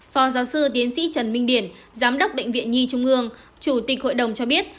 phó giáo sư tiến sĩ trần minh điển giám đốc bệnh viện nhi trung ương chủ tịch hội đồng cho biết